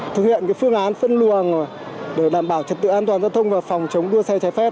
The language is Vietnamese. thực hiện phương án phân luồng để đảm bảo trật tự an toàn giao thông và phòng chống đua xe trái phép